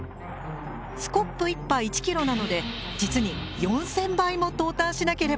スコップ１杯１キロなので実に４，０００杯も投炭しなければなりません。